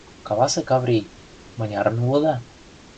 Каласе, Каврий, мынярын улыда?